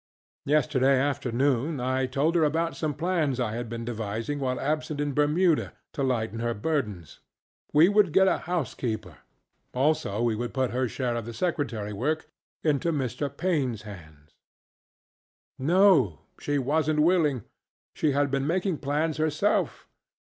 Yesterday afternoon I told her about some plans I had been devising while absent in Bermuda, to lighten her burdens. We would get a housekeeper; also we would put her share of the secretary work into Mr. PaineŌĆÖs hands. NoŌĆöshe wasnŌĆÖt willing. She had been making plans herself.